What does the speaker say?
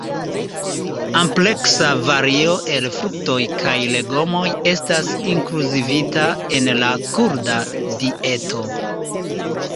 Ampleksa vario el fruktoj kaj legomoj estas inkluzivita en la kurda dieto.